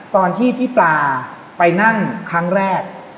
ตอนที่พี่ปลาไปนั่งครั้งแรก